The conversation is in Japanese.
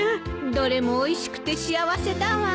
どれもおいしくて幸せだわ。